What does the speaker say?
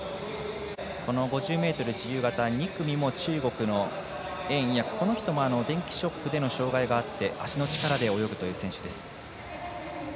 この５０ｍ自由形２組も中国の袁偉訳、この人も電気ショックでの障がいがあって足の力で泳ぐという選手です。